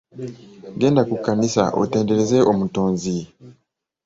Genda ku kkanisa otenedereze omutonzi.